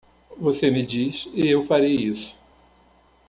Você me diz? e eu farei isso.